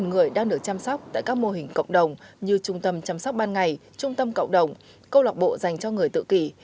một mươi người đang được chăm sóc tại các mô hình cộng đồng như trung tâm chăm sóc ban ngày trung tâm cộng đồng câu lọc bộ dành cho người tự kỷ